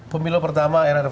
pemilu pertama rrf